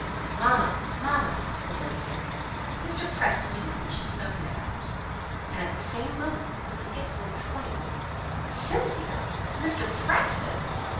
"Mamma, mamma!" said Lady Harriet, "Mr. Preston did not wish it spoken about." And at the same moment Mrs. Gibson exclaimed, "Cynthia Mr. Preston!"